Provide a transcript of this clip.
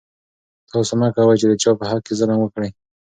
تاسو مه کوئ چې د چا په حق کې ظلم وکړئ.